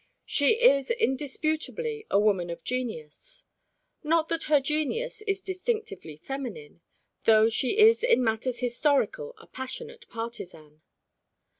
She is indisputably a woman of genius. Not that her genius is distinctively feminine, though she is in matters historical a passionate partisan.